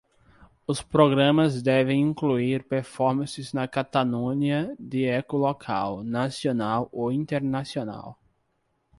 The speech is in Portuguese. Os programas devem incluir performances na Catalunha de eco local, nacional ou internacional.